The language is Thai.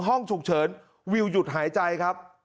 ห้องฉุกเฉินวิวหยุดหายใจครับ